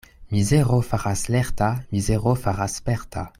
Mizero faras lerta, mizero faras sperta.